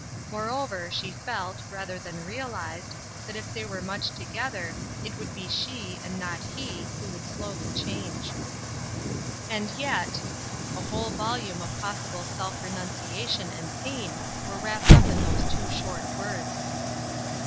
Moreover, she felt, rather than realized, that if they were much together, it would be she, and not he, who would slowly change. And yet — a whole volume of possible self WHY SHE ''QUIT'' 309 renunciation and pain were wrapped up in those two short words.